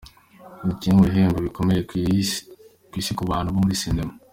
Ni kimwe mu bihembo bikomeye ku isi ku bantu bo muri sinema.